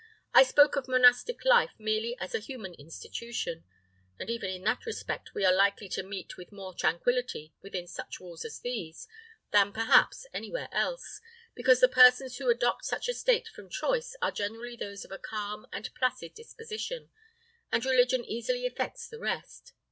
"I spoke of monastic life merely as a human institution; and even in that respect we are likely to meet with more tranquillity within such walls as these than perhaps anywhere else, because the persons who adopt such a state from choice are generally those of a calm and placid disposition, and religion easily effects the rest.